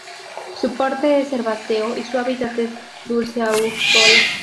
Su porte es herbáceo y su hábitat es dulceacuícola.